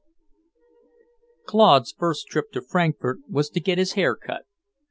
V Claude's first trip to Frankfort was to get his hair cut.